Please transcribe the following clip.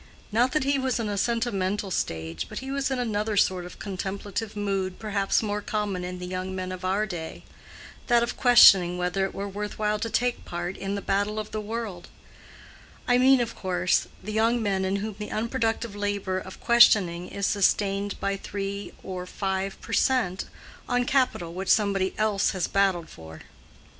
Not that he was in a sentimental stage; but he was in another sort of contemplative mood perhaps more common in the young men of our day—that of questioning whether it were worth while to take part in the battle of the world: I mean, of course, the young men in whom the unproductive labor of questioning is sustained by three or five per cent, on capital which somebody else has battled for.